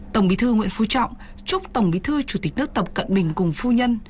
tổng bí thư nguyễn phú trọng chúc tổng bí thư chủ tịch nước tập cận bình cùng phu nhân